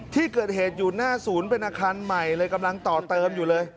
ที่เกิดเหตุอยู่หน้าศูนย์เป็นอาคารใหม่เลยกำลังต่อเติมอยู่เลย